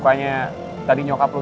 nanti yang ada lo makin kecapean lo